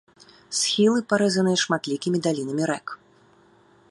Схілы парэзаныя шматлікімі далінамі рэк.